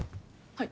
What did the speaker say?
はい。